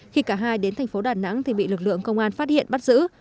khi cả hai đến thành phố đà nẵng thì bị lực lượng công an phát hiện bắt giữ